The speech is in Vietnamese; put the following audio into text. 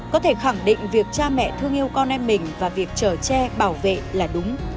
có thể khẳng định việc cha mẹ thương yêu con em mình và việc chở che bảo vệ là đúng